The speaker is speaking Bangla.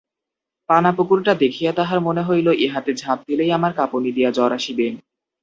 পানাপুকুরটা দেখিয়া তাহার মনে হইল, ইহাতে ঝাঁপ দিলেই আমার কাঁপুনি দিয়া জ্বর আসিবে।